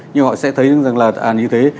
nhưng họ sẽ thấy rằng là như thế